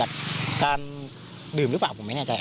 การดื่มหรือเปล่าผมไม่แน่ใจ